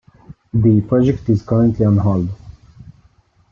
The project is currently on hold.